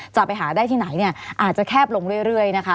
จะไปหาได้ที่ไหนอาจจะแคบลงเรื่อย